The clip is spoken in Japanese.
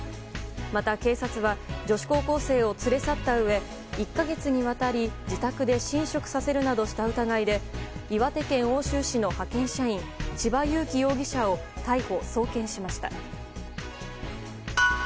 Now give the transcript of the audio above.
また、警察は女子高校生を連れ去ったうえ１か月にわたり自宅で寝食させるなどした疑いで岩手県奥州市の派遣社員千葉裕生容疑者を逮捕・送検しました。